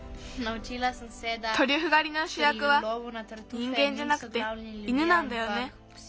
トリュフがりのしゅやくはにんげんじゃなくて犬なんだよね。